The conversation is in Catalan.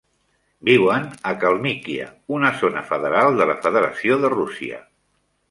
Viuen a Kalmykia, una zona federal de la Federació de Rússia.